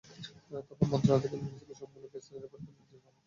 তখন মন্ত্রণালয় থেকে বিপিসিকে সবগুলো গ্যাস সিলিন্ডার পরীক্ষার নির্দেশ দেওয়া হয়।